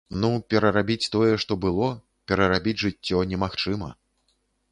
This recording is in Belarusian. Ну, перарабіць тое, што было, перарабіць жыццё немагчыма.